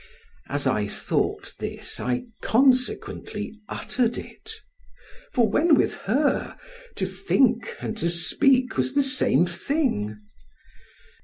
As I thought this, I consequently uttered it; for when with her, to think and to speak was the same thing.